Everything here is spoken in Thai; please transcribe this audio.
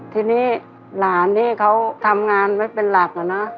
ทีนี้หลานนี่เขาทำงานไว้เป็นหลักอะนะ